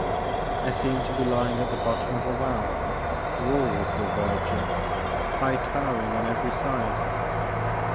I seemed to be lying at the bottom of a well, walled with verdure, high towering on every side.